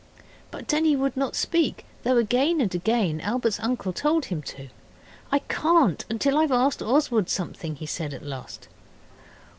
But Denny would not speak, though again and again Albert's uncle told him to. 'I can't till I've asked Oswald something,' he said at last.